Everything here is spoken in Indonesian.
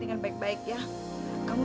dan membership anda di youtube